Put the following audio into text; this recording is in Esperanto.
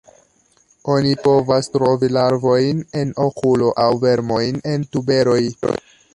Oni povas trovi larvojn en okulo, aŭ vermojn en tuberoj.